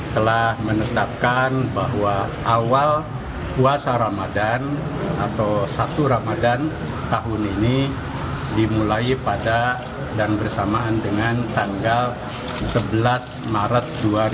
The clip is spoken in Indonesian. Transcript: telah menetapkan bahwa awal puasa ramadan atau satu ramadan tahun ini dimulai pada dan bersamaan dengan tanggal sebelas maret dua ribu dua puluh